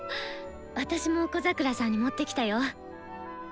私も小桜さんに持ってきたよ。